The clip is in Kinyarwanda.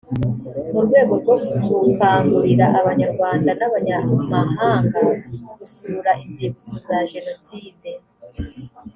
mu rwego rwo gukangurira abanyarwanda n’abanyamahanga gusura inzibutso za jenoside